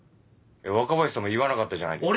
若林さんも言わなかったじゃないですか。